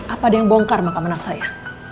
apa ada yang bongkar makam anak saya